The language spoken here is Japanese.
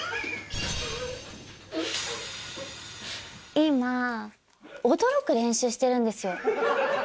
今、驚く練習してるんですよ。